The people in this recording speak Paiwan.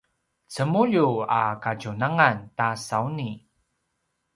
cemulju a kadjunangan ta sauni